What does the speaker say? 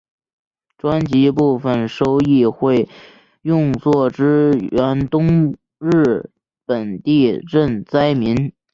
专辑部分收益会用作支援东日本地震灾民。